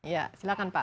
ya silakan pak